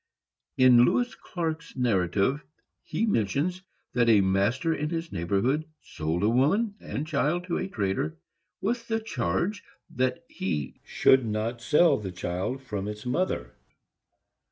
In Lewis Clark's narrative he mentions that a master in his neighborhood sold a woman and child to a trader, with the charge that he should not sell the child from its mother.